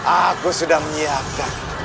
aku sudah menyiapkan